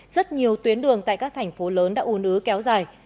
rất nhiều tuyến đường tại các thành phố lớn đã un ứ kéo dài